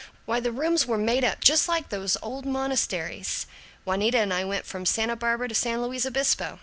Why, the rooms were made just like these old monasteries. Juanita and I went from Santa Barbara to San Luis Obispo.